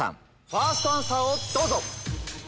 ファーストアンサーをどうぞ！